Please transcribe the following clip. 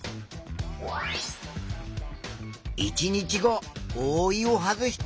１日後おおいを外して。